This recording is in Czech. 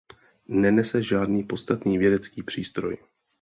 Nenese žádný podstatný vědecký přístroj.